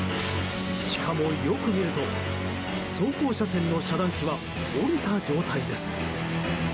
しかもよく見ると、走行車線の遮断機は下りた状態です。